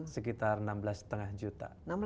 sekitar enam belas lima juta